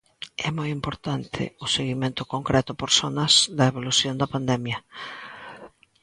E moi importante, o seguimento concreto por zonas da evolución da pandemia.